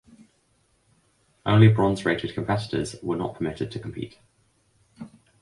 Only Bronze rated competitors were not permitted to compete.